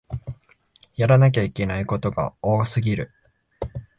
やらなきゃいけないことが多すぎる